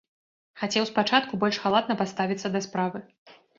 Хацеў спачатку больш халатна паставіцца да справы.